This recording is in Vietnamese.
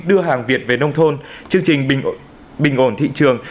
đưa hàng việt về nông thôn chương trình bình ổn thị trường